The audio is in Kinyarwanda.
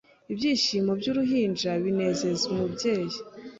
Ibyishimo byuruhinja binezeza umubyeyi